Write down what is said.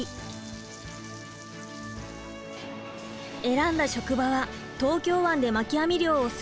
選んだ職場は東京湾で巻き網漁をする船。